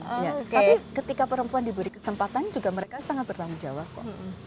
tapi ketika perempuan diberi kesempatan juga mereka sangat bertanggung jawab kok